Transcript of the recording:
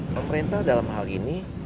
pemerintah dalam hal ini